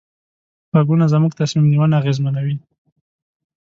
غږونه زموږ تصمیم نیونه اغېزمنوي.